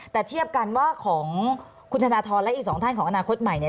แต่เทียบกันว่าของคุณธนทรและอีกสองท่านของอนาคตใหม่เนี่ย